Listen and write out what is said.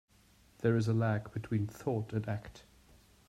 There is a lag between thought and act.